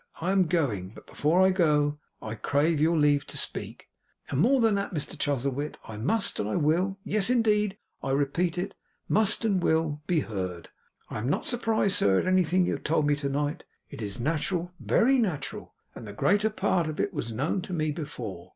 I am going. But before I go, I crave your leave to speak, and more than that, Mr Chuzzlewit, I must and will yes indeed, I repeat it, must and will be heard. I am not surprised, sir, at anything you have told me tonight. It is natural, very natural, and the greater part of it was known to me before.